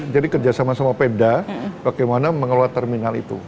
jadi kerjasama sama pemda bagaimana mengelola terminal itu